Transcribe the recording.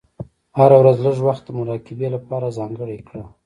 هره ورځ لږ وخت د مراقبې لپاره ځانګړی کړه.